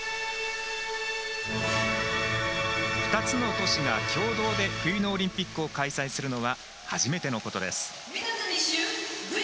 ２つの都市が共同で冬のオリンピックを開催するのは初めてのことです。